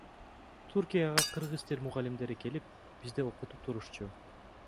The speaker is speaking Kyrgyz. Түркияга кыргыз тил мугалимдери келип бизди окутуп турушчу.